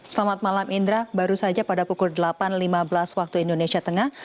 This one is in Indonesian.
selamat malam indra baru saja pada pukul delapan lima belas waktu indonesia tengah